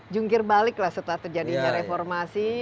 jungkir balik lah setelah terjadinya reformasi